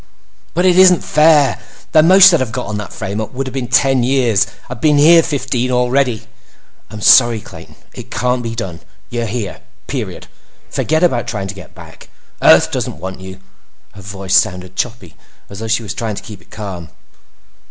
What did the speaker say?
"But it isn't fair! The most I'd have got on that frame up would've been ten years. I've been here fifteen already!" "I'm sorry, Clayton. It can't be done. You're here. Period. Forget about trying to get back. Earth doesn't want you." Her voice sounded choppy, as though she were trying to keep it calm.